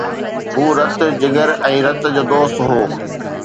هو رت، جگر ۽ رت جو دوست هو